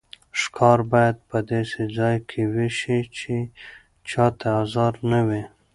ښکار باید په داسې ځای کې وشي چې چا ته ازار نه وي.